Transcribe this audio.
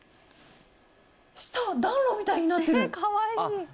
下、暖炉みたいになってる。